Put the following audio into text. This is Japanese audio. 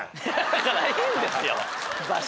だからいいんですよ。